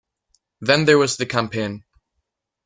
Then there was the campaign.